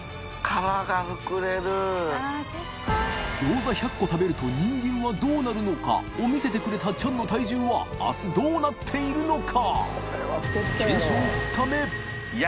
「餃子１００個食べると人間はどうなるのか？」を擦討譴チャンの体重は明日どうなっているのか！？